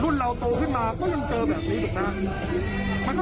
ลุ่นเราโตขึ้นมาก็ยังเจอแบบนี้อยู่ด้านนั้น